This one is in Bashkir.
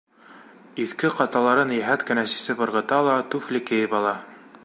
Иҫке ҡаталарын йәһәт кенә сисеп ырғыта ла туфли кейеп ала.